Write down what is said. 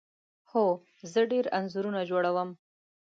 هو، زه ډیر انځورونه جوړوم